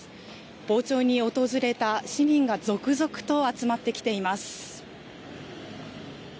傍聴に訪れた市民が続々と集まってきています。